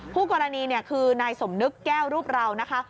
ผู้กรณีคือนายสมนึกแก้วรูปเรานะคะ